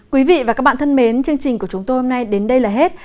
quý vị và các bạn thân mến chương trình của chúng tôi hôm nay đến đây là hết